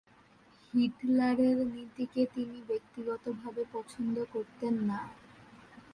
হিটলারের নীতিকে তিনি ব্যক্তিগতভাবে পছন্দ করতেন না।